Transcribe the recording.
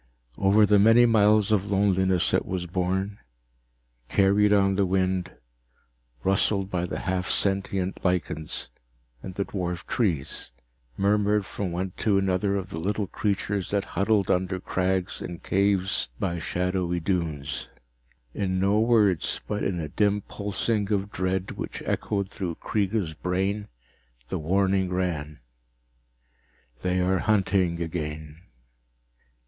Over the many miles of loneliness it was borne, carried on the wind, rustled by the half sentient lichens and the dwarfed trees, murmured from one to another of the little creatures that huddled under crags, in caves, by shadowy dunes. In no words, but in a dim pulsing of dread which echoed through Kreega's brain, the warning ran _They are hunting again.